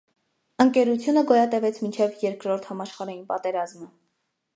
Ընկերությունը գոյատևեց մինչև երկրորդ համաշխարհային պատերազմը։